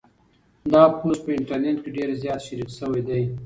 دا پوسټ په انټرنيټ کې ډېر زیات شریک شوی دی.